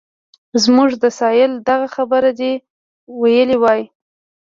زموږ د سایل دغه خبره دې ویلې وای.